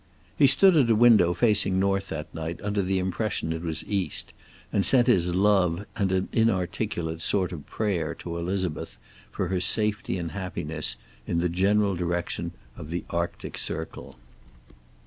He stood at a window facing north that night, under the impression it was east, and sent his love and an inarticulate sort of prayer to Elizabeth, for her safety and happiness, in the general direction of the Arctic Circle.